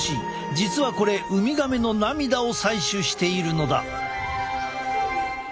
実はこれウミガメの涙を採取しているのだ。